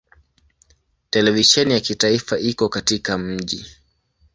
Televisheni ya kitaifa iko katika mji.